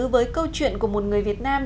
với câu chuyện của một người việt nam